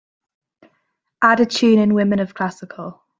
add a tune in women of classical